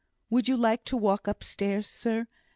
"Would you like to walk upstairs, sir?"